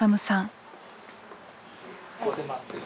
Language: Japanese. ここで待ってる。